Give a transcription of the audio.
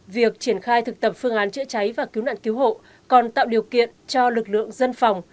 việc triển khai thực tập phương án chữa cháy và cứu nạn cứu hộ còn tạo điều kiện cho lực lượng dân phòng